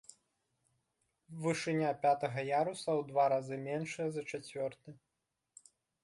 Вышыня пятага яруса ў два разы меншая за чацвёрты.